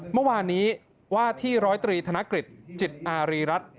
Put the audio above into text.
เมื่อวานนี้ว่าที่ร้อยตรีธนกฤษจิตอารีรัฐ